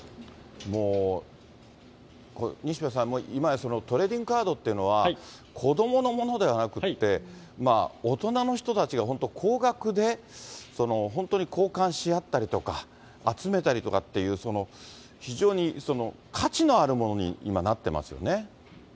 もう西部さん、今やトレーディングカードっていうのは子どものものではなくって、大人の人たちが高額で、本当に交換し合ったりとか、集めたりとかっていう、その、非常に価値のあるものに今、なってますよね。